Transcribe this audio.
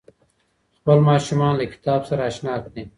خپل ماسومان له کتاب سره اشنا کړئ.